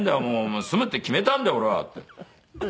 もう住むって決めたんだよ俺は」って。